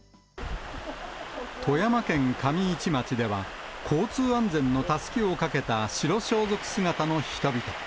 富山県上市町では、交通安全のたすきをかけた白装束姿の人々。